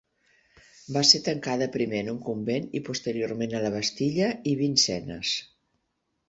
Va ser tancada primer en un convent i, posteriorment, a la Bastilla i Vincennes.